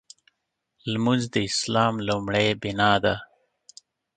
لمونځ د اسلام لومړۍ بناء ده.